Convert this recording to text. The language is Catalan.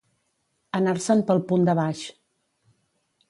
Anar-se'n pel punt de baix.